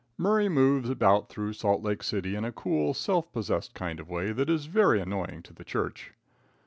Murray moves about through Salt Lake City in a cool, self possessed kind of way that is very annoying to the church.